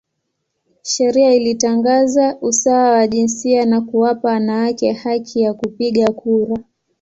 Sheria ilitangaza usawa wa jinsia na kuwapa wanawake haki ya kupiga kura.